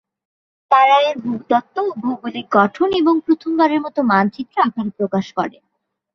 তারা এর ভূতত্ত্ব ও ভৌগোলিক গঠন এবং প্রথমবারের মতো মানচিত্র আকারে প্রকাশ করেন।